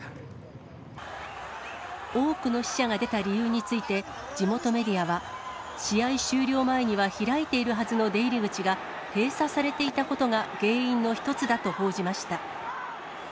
多くの死者が出た理由について、地元メディアは、試合終了前には開いているはずの出入り口が閉鎖されていたことが、原因の一つだと報じました。